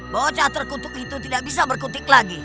bocah terkutuk itu tidak bisa berkutik lagi